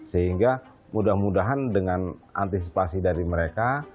sehingga mudah mudahan dengan antisipasi dari mereka